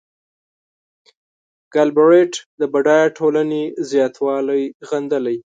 ګالبرېټ د بډایه ټولنې زیاتوالی غندلی.